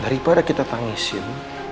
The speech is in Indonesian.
daripada kita tangisin